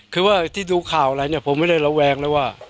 คือว่าที่ดูข่าวอะไรเนี่ยผมไม่ได้ระแวงเลยว่า